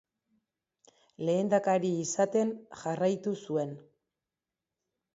Lehendakari izaten jarraitu zuen.